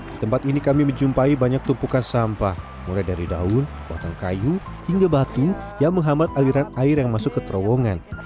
di tempat ini kami menjumpai banyak tumpukan sampah mulai dari daun potong kayu hingga batu yang menghambat aliran air yang masuk ke terowongan